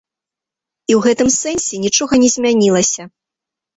І ў гэтым сэнсе нічога не змянілася.